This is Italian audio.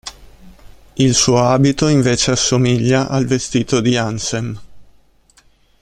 Il suo abito invece assomiglia al vestito di Ansem.